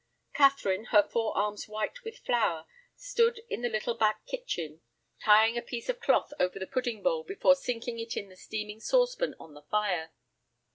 Catherine, her fore arms white with flour, stood in the little back kitchen, tying a piece of cloth over the pudding bowl before sinking it in the steaming saucepan on the fire.